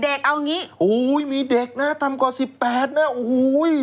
เด็กเอางี้โอ้ยมีเด็กนะต่ำกว่า๑๘นะโอ้โฮ